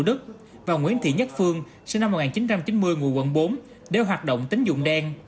đức và nguyễn thị nhất phương sinh năm một nghìn chín trăm chín mươi ngụ quận bốn để hoạt động tính dụng đen